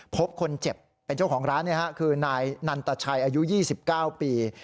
พบคนเจ็บเป็นเจ้าของร้านคือนายนันตชัยอายุ๒๙ปี